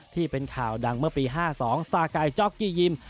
ที่เป็นข่าวดังเมื่อปี๕๒สากายจ๊อกกี้ยิม